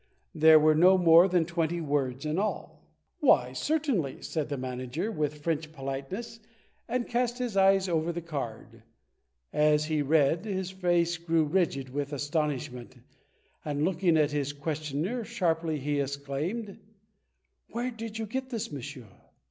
There were no more than twenty words in all. "Why, certainly," said the manager, with French politeness, and cast his eyes over the card. As he read, his face grew rigid with astonishment, and, looking at his questioner sharply, he exclaimed: "Where did you get this, monsieur?"